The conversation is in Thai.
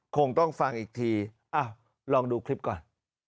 คงต้องฟังอีกทีอ้าวลองดูคลิปก่อน